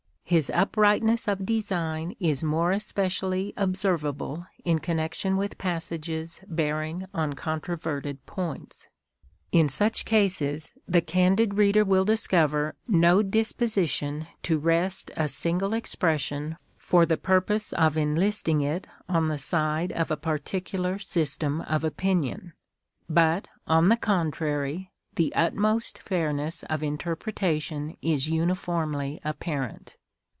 His uprightness of design is more especially observable in connection with passages bearing on contro verted points. In such cases the candid reader will discover VI TRANSLATOR S PREFACE. no disposition to wrest a single expression for the purpose of enlisting it on the side of a particular system of opinion ; but, on the contrary, the utmost fairness of interpretation is uniformly apparent.